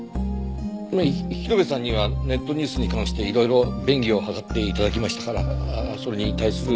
まあ広辺さんにはネットニュースに関していろいろ便宜を図って頂きましたからそれに対する。